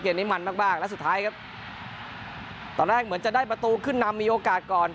นี้มันมากมากและสุดท้ายครับตอนแรกเหมือนจะได้ประตูขึ้นนำมีโอกาสก่อน